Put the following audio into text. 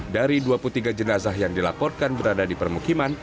dari dua puluh tiga jenazah yang dilaporkan berada di permukiman